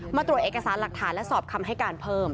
มาตรวจเอกสารหลักฐานและสอบคำให้การเพิ่ม